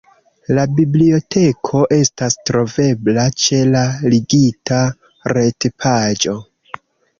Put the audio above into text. La biblioteko estas trovebla ĉe la ligita retpaĝo.